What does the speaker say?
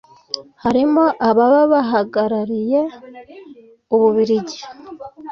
barimo ababahagarariye u Bubiligi